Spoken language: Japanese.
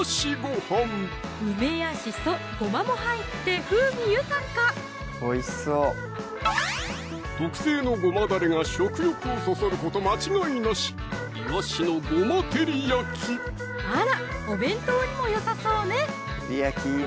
梅やしそ・ごまも入って風味豊か特製のごまだれが食欲をそそること間違いなしあらお弁当にもよさそうね